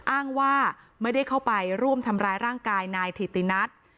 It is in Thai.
อ้างว่าไม่ได้เข้าไปร่วมทำร้ายร่างกายนายถิตินัท